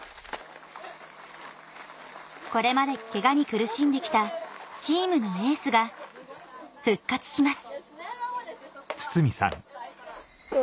これまでケガに苦しんで来たチームのエースが復活します